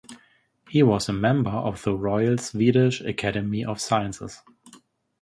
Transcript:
He was a member of the Royal Swedish Academy of Sciences.